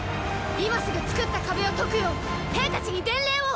今すぐ作った壁を解くよう兵たちに伝令を！